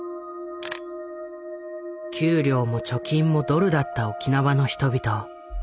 給料も貯金もドルだった沖縄の人々。